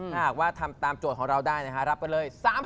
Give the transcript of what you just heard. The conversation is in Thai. ถ้าหากว่าทำตามโจทย์ของเราได้นะคะรับไปเลย